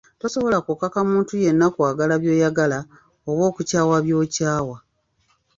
Tosobola kukaka muntu yenna kwagala by'oyagala oba okukyawa by'okyawa.